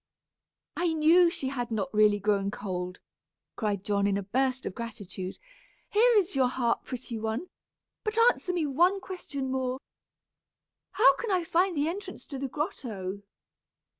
"I knew she had not really grown cold," cried John, in a burst of gratitude. "Here is your harp, pretty one, but answer me one question more. How can I find the entrance to the grotto?"